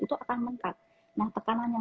itu akan meningkat nah tekanan yang